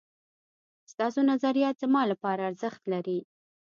ستاسو نظريات زما لپاره ارزښت لري